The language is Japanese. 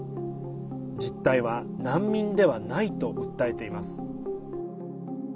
実態は難民ではないと訴えています。